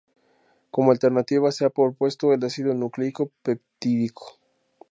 Como alternativa se ha propuesto al Ácido nucleico peptídico.